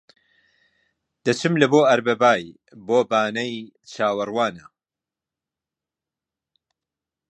دەچم لە بۆ ئەڕبابای بۆ بانەی چاوەڕوانە